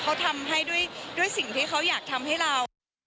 เขาทำให้ด้วยสิ่งที่เขาอยากทำให้เรา